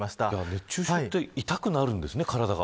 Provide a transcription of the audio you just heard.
熱中症って、痛くなるんですね体が。